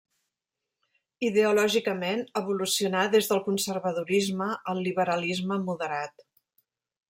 Ideològicament, evolucionà des del conservadorisme al liberalisme moderat.